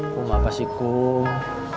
kum apa sih kum